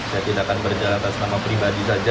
saya tidak akan berjalankan sama pribadi saja